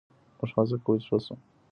موږ هڅه کوو چې ښه شو.